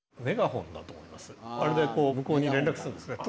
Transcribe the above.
あれで向こうに連絡するんですね。